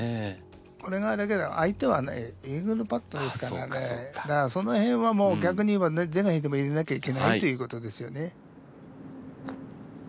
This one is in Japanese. これはだけど相手はねイーグルパットですからねだからそのへんはもう逆に言えば是が非でも入れなきゃいけないということですよね。